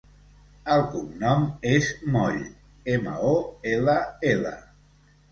El cognom és Moll: ema, o, ela, ela.